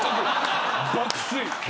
爆睡。